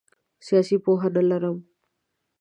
سیاسي پوهه نه لرم.